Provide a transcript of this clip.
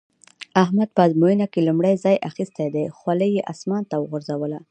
احمد په ازموينه کې لومړی ځای اخيستی دی؛ خولۍ يې اسمان ته وغورځوله.